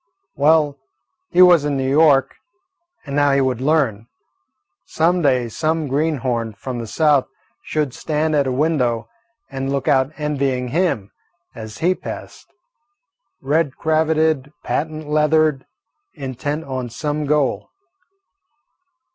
Well, he was in New York, and now he would learn. Some day some greenhorn from the South should stand at a window and look out envying him, as he passed, red cravated, patent leathered, intent on some goal.